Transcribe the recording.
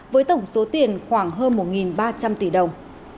với tổng số tiền khoảng hơn một ba trăm linh tỷ đồng